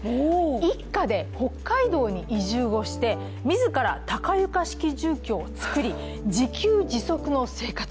一家で北海道に移住をして自ら高床式住居を作り、自給自足の生活。